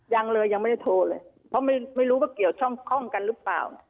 ยังเลยยังไม่ได้โทรเลยเพราะไม่รู้ว่าเกี่ยวช่องคล่องกันหรือเปล่า